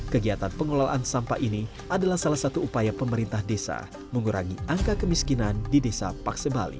kegiatan pengelolaan sampah ini adalah salah satu upaya pemerintah desa mengurangi angka kemiskinan di desa paksebali